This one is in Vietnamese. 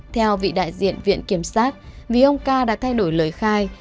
theo vị đại diện viện kiểm sát vì ông ca đã thay đổi lời khai